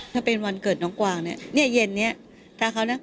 ถ้าเป็นวันเกิดน้องกวางเนี่ยเนี่ยเย็นนี้ถ้าเขานะ